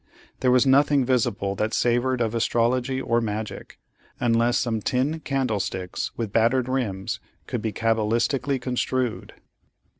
There was nothing visible that savored of astrology or magic, unless some tin candlesticks with battered rims could be cabalistically construed.